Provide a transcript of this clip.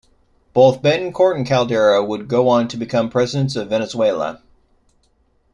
Both Betancourt and Caldera would go on to become presidents of Venezuela.